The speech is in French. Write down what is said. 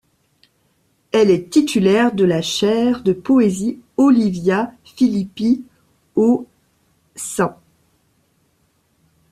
Elle est titulaire de la chaire de poésie Olivia Filippi au St.